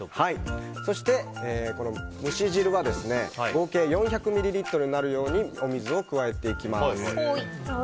そして、蒸し汁は合計４００ミリリットルになるようにお水を加えていきます。